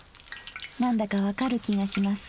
なんだか分かる気がします。